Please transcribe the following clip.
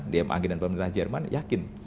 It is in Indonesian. dmag dan pemerintah jerman yakin